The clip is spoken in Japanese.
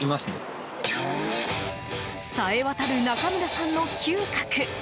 さえ渡る中村さんの嗅覚。